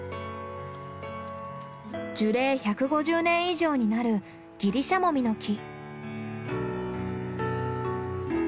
樹齢１５０年以上になるギリシャモミの木。